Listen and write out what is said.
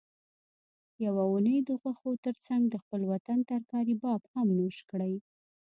یوه اونۍ د غوښو ترڅنګ د خپل وطن ترکاري باب هم نوش کړئ